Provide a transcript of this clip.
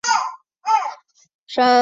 深山毛茛为毛茛科毛茛属下的一个种。